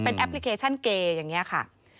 แอปพลิเคชันเกย์อย่างนี้ค่ะ